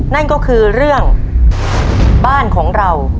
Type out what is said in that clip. นั่นก็คือเรื่องบ้านของเรา